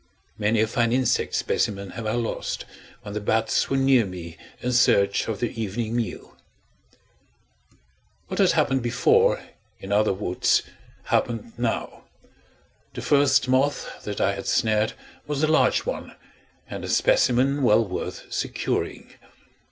Many a fine insect specimen have I lost, when the bats were near me in search of their evening meal. What had happened before, in other woods, happened now. The first moth that I had snared was a large one, and a specimen well worth securing.